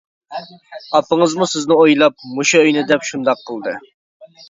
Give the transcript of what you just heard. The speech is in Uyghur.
ئاپىڭىزمۇ سىزنى ئويلاپ، مۇشۇ ئۆينى دەپ شۇنداق قىلدى.